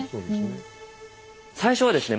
最初はですね